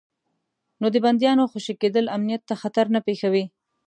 نو د بندیانو خوشي کېدل امنیت ته خطر نه پېښوي.